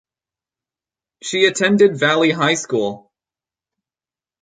She attended Valley High School.